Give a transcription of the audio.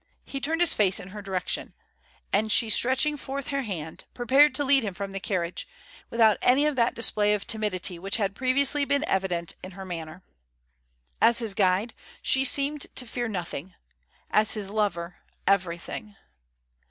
He turned his face in her direction, and she stretching forth her hand, prepared to lead him from the carriage, without any of that display of timidity which had previously been evident in her manner. As his guide she seemed to fear nothing; as his lover, everything.